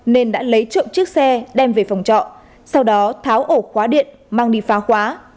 nên đã lấy trộm chiếc xe đem về phòng trọ sau đó tháo ổ khóa điện mang đi phá khóa